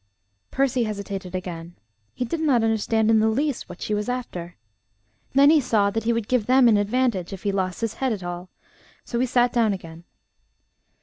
Percy hesitated again. He did not understand in the least what she was after. Then he saw that he would give them an advantage if he lost his head at all: so he sat down again.